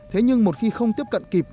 thế nhưng một khi không tiếp cận kịp